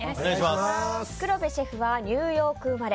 黒部シェフはニューヨーク生まれ。